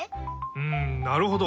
うんなるほど！